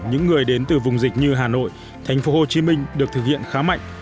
những người đến từ vùng dịch như hà nội tp hcm được thực hiện khá mạnh